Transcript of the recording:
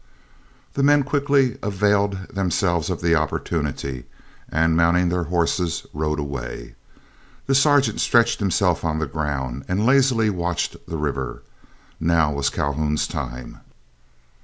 The men quickly availed themselves of the opportunity, and mounting their horses rode away. The sergeant stretched himself on the ground, and lazily watched the river. Now was Calhoun's time.